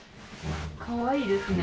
かわいいですね。